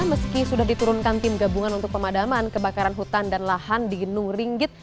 meski sudah diturunkan tim gabungan untuk pemadaman kebakaran hutan dan lahan di gunung ringgit